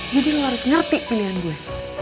jadi lo harus ngerti pilihan gue